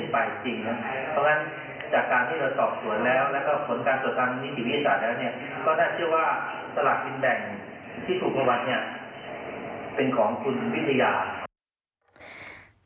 เป็นของคุณวิทยา